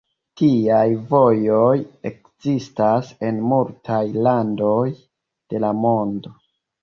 Tiaj vojoj ekzistas en multaj landoj de la mondo.